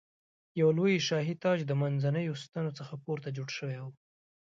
یو لوی شاهي تاج د منځنیو ستنو څخه پورته جوړ شوی و.